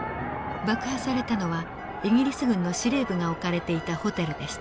爆破されたのはイギリス軍の司令部が置かれていたホテルでした。